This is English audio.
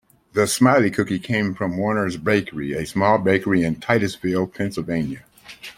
The Smiley Cookie came from Warner's Bakery, a small bakery in Titusville, Pennsylvania.